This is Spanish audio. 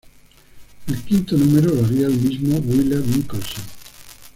El quinto número lo haría el mismo Wheeler-Nicholson.